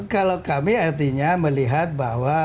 kalau kami artinya melihat bahwa kami cinta